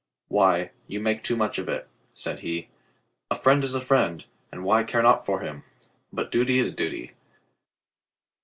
"Why, you make too much of it," said he. "A friend is a friend, and why not care for him? But duty is duty."